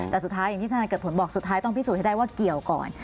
แต่สุดท้ายอย่างที่ทนายเกิดผลบอกสุดท้ายต้องพิสูจนให้ได้ว่าเกี่ยวก่อน